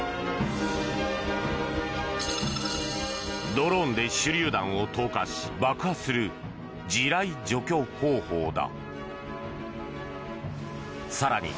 ドローンで手りゅう弾を投下し爆破する地雷除去方法だ。